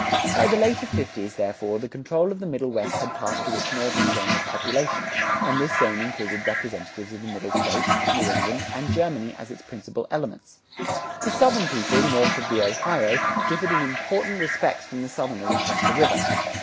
By the later fifties, therefore, the control of the Middle West had passed to its Northern zone of population, and this zone included representatives of the Middle States, New England, and Germany as its principal elements. The Southern people, north of the Ohio, differed in important respects from the Southerners across the river.